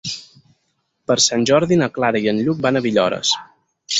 Per Sant Jordi na Clara i en Lluc van a Villores.